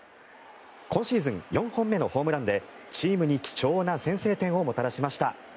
今シーズン４本目のホームランでチームに貴重な先制点をもたらしました。